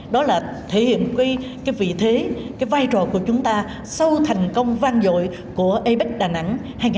đó là thể hiện cái vị thế cái vai trò của chúng ta sau thành công vang dội của abec đà nẵng hai nghìn một mươi bảy